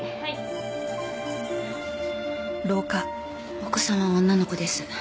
お子さんは女の子です。